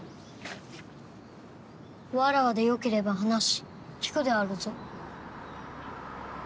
わらわでよければ話聞くであるぞ。